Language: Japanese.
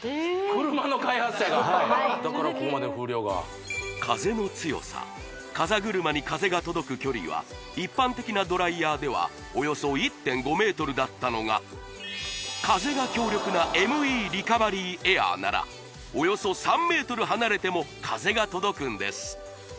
車の開発者がだからここまで風量が風の強さ風車に風が届く距離は一般的なドライヤーではおよそ１．５ｍだったのが風が強力なＭＥリカバリーエアーならおよそ３ｍ離れても風が届くんです